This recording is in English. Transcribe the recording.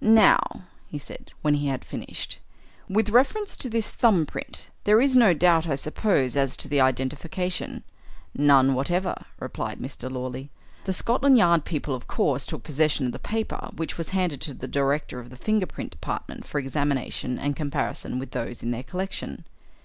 "Now," he said, when he had finished, "with reference to this thumb print. There is no doubt, I suppose, as to the identification?" "None whatever," replied Mr. Lawley. "The Scotland Yard people, of course, took possession of the paper, which was handed to the director of the finger print department for examination and comparison with those in their collection.